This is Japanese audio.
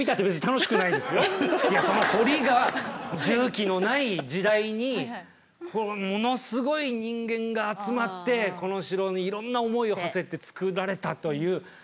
いやその堀が重機のない時代にものすごい人間が集まってこの城にいろんな思いをはせて造られたという。